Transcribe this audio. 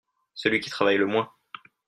Celui qui travaille le moins.